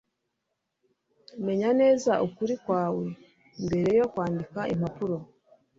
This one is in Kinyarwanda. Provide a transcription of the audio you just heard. menya neza ukuri kwawe mbere yo kwandika impapuro